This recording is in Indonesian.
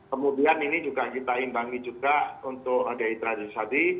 kemudian ini juga kita imbangi juga untuk dehydrasi